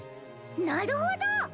なるほど！